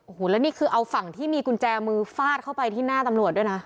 โอ้โหแล้วนี่คือเอาฝั่งที่มีกุญแจมือฟาดเข้าไปที่หน้าตำรวจด้วยนะ